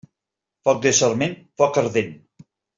Foc de sarment, foc ardent.